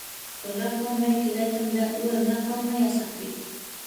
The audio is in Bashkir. Оҙаҡламай келәтемдә урын да ҡалмаясаҡ бит.